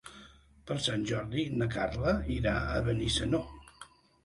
Per Sant Jordi na Carla irà a Benissanó.